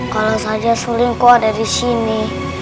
kalau saja selingkuh ada di sini